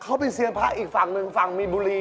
เขาเป็นเซียนพระอีกฝั่งหนึ่งฝั่งมีนบุรี